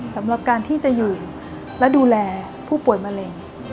สำหรับการที่จะอยู่และดูแลผู้ป่วยมะเร็ง